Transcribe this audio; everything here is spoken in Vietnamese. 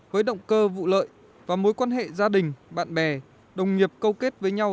với động cơ vụ lợi và mối quan hệ gia đình bạn bè đồng nghiệp câu kết với nhau